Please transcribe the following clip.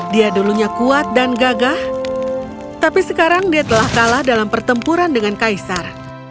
dia dulunya kuat dan gagah tapi sekarang dia telah kalah dalam pertempuran dengan kaisar